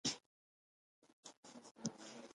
ملک صاحب ډېر خدای ته نږدې دی.